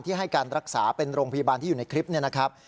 ให้การรักษาเป็นโรงพยาบาลที่อยู่ในคลิปนี้นะครับ